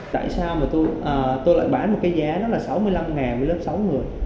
tại sao mà tôi lại bán một cái giá đó là sáu mươi năm với lớp sáu người